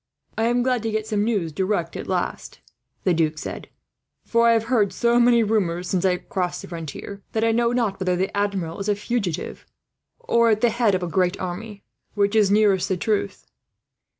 "I am glad to get some news direct, at last," the Duc said; "for I have heard so many rumours, since I crossed the frontier, that I know not whether the Admiral is a fugitive or at the head of a great army. Which is nearest the truth?"